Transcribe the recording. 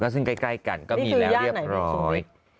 ซึ่งใกล้กันก็มีแล้วเรียบร้อย